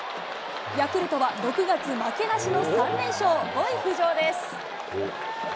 ヤクルトは６月負けなしの３連勝、５位浮上です。